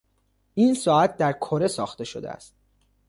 این ساعت در کره ساخته شده است.